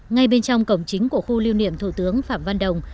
ngay bên trong cổng chính của khu lưu niệm thủ tướng phạm văn đồng